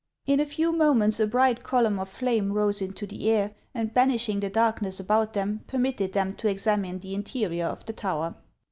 In a few moments a bright column of flame rose into the air, and banishing the darkness about them, permitted them to examine the interior of the tower.